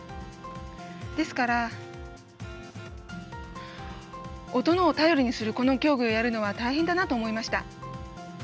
ですから、音を頼りにするこの競技をするのは大変だなと思いました。